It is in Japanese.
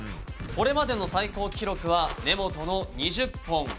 これまでの最高記録は根本の２０本。